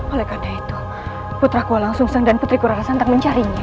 oleh karena itu putraku langsung sendan putriku rara santang mencarinya